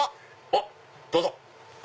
おっどうぞ！